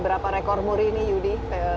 berapa rekor muri ini yudi